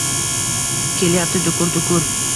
Kelyapti… Dukur-dukur…